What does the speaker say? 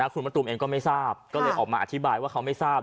คุณมะตูมเองก็ไม่ทราบก็เลยออกมาอธิบายว่าเขาไม่ทราบ